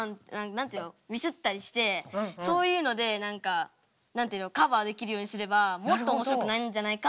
何て言うのミスったりしてそういうので何か何て言うのカバーできるようにすればもっとおもしろくなるんじゃないかなと僕は思います。